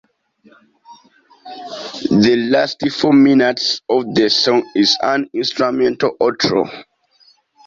The last four minutes of the song is an instrumental outro.